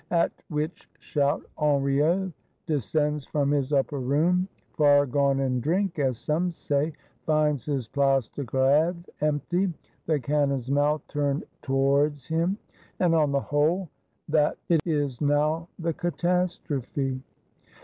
At which shout, Henriot descends from his upper room, far gone in drink as some say; finds his Place de Greve empty; the can non's mouth turned towards him; and on the whole, — that it is now the catastrophe